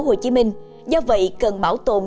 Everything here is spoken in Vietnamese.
hồ chí minh do vậy cần bảo tồn